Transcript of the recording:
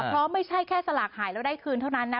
เพราะไม่ใช่แค่สลากหายแล้วได้คืนเท่านั้นนะ